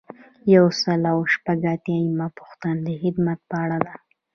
یو سل او شپږ اتیایمه پوښتنه د خدمت په اړه ده.